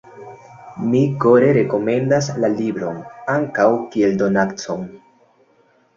Mi kore rekomendas la libron, ankaŭ kiel donacon!